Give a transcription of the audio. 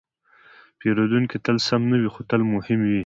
پیرودونکی تل سم نه وي، خو تل مهم وي.